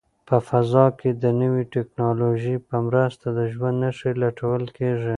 په فضا کې د نوې ټیکنالوژۍ په مرسته د ژوند نښې لټول کیږي.